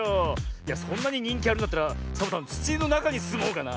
いやそんなににんきあるんだったらサボさんつちのなかにすもうかな。